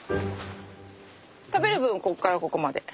食べる部分はここからここまで。